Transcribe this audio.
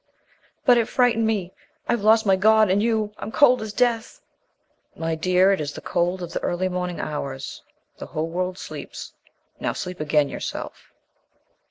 "But it frightened me. I've lost my God and you I'm cold as death!" "My dear, it is the cold of the early morning hours. The whole world sleeps. Now sleep again yourself."